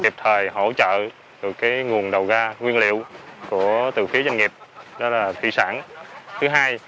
kiệp thời hỗ trợ được cái nguồn đầu ra nguyên liệu từ phía doanh nghiệp đó là thị sản thứ hai